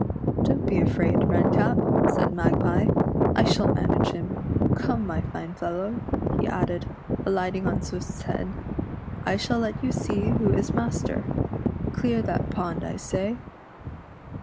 " Don't be afraid. Redcap," said Magpie, " I shall manage him. Come, my fine fellow," he added, alight ing on Swift's head, " I shall let you see who is master! Clear that pond, I say."